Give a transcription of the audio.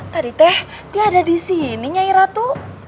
tadi teh dia ada di sini nyai ratu